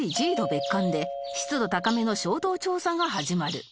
別館で湿度高めの衝動調査が始まる